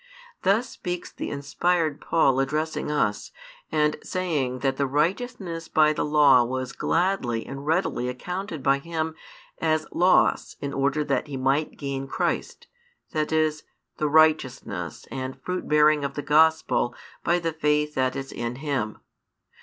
Thus speaks the inspired Paul addressing us, and saying that the righteousness by the Law was gladly and readily accounted by him as loss in order that he might gain Christ, that is, the righteousness and fruit bearing of the Gospel by the faith that is in Him.